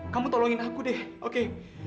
kamu tolongin aku deh oke